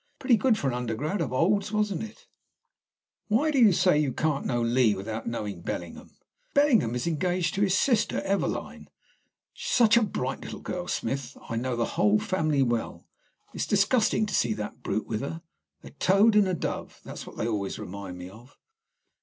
Pretty good for an undergrad. of Old's, wasn't it?" "Why do you say you can't know Lee without knowing Bellingham?" "Because Bellingham is engaged to his sister Eveline. Such a bright little girl, Smith! I know the whole family well. It's disgusting to see that brute with her. A toad and a dove, that's what they always remind me of."